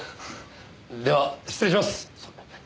では失礼します。さあ。